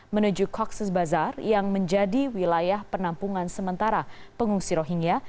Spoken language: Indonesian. menuju koksis bazar yang menjadi wilayah penampungan sementara pengungsi rohingya